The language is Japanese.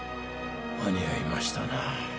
間に合いましたな。